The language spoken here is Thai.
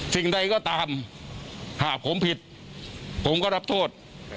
สิ่งใดก็ตามหากผมผิดผมก็รับโทษ